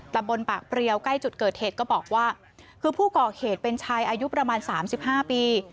แต่บนปากเปรี้ยวใกล้จุดเกิดเหตุก็บอกว่าคือผู้ก่อเขตเป็นชายอายุประมาณสามสิบห้าปี